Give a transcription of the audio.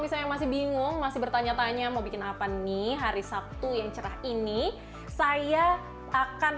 misalnya masih bingung masih bertanya tanya mau bikin apa nih hari sabtu yang cerah ini saya akan